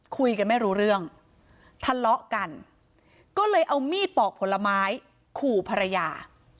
คุยกันไม่รู้เรื่องทะเลาะกันก็เลยเอามีดปอกผลไม้ขู่ภรรยา